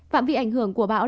phạm vị ảnh hưởng của bão